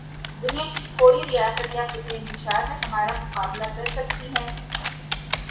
دنیا کی کوئی ریاست کیا فکری انتشار میں ہمارا مقابلہ کر سکتی ہے؟